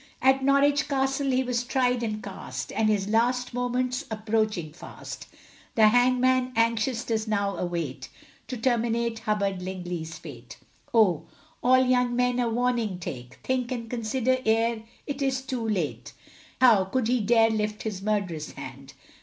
At Norwich castle he was tried and cast And his last moments approaching fast; The hangman anxious does now await To terminate Hubbard Lingley's fate. Oh! all young men a warning take Think and consider ere it is too late; How could he dare lift his murderous hand.